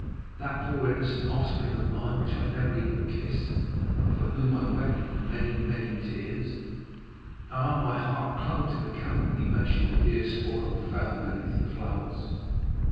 —that poor innocent offspring of mine, which I never even kissed, but for whom I wept many, many tears. Ah, my heart clung to the count when he mentioned the dear spoil found beneath the flowers."